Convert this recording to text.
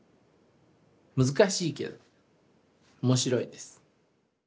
難しいけど面白いです。